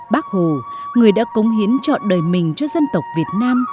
bác hồ người đã cống hiến chọn đời mình cho dân tộc việt nam